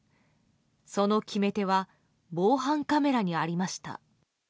その決め手は防犯カメラにありました。